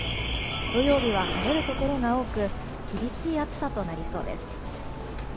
土曜日は晴れるところが多く厳しい暑さとなりそうです。